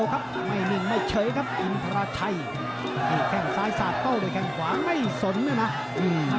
ความรู้สึกป